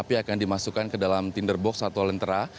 yang dimasukkan ke dalam tinderbox atau lentera